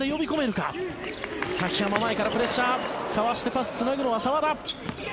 かわしてパスをつなぐのは澤田。